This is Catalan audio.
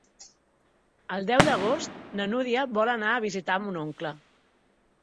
El deu d'agost na Núria vol anar a visitar mon oncle.